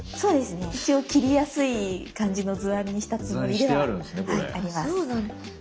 一応切りやすい感じの図案にしたつもりではあります。